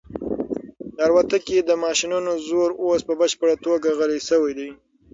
د الوتکې د ماشینونو زور اوس په بشپړه توګه غلی شوی دی.